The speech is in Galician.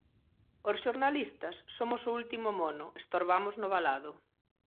Os xornalistas somos o último mono, estorbamos no valado.